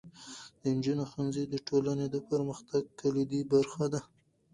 د نجونو ښوونځی د ټولنې د پرمختګ کلیدي برخه ده.